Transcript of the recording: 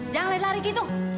jangan lari lari gitu